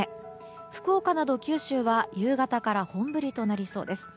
福岡など九州は夕方から本降りとなりそうです。